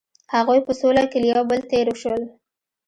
هغوی په سوله کې له یو بل تیر شول.